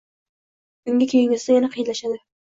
undan keyingisida – yanada qiynaladi.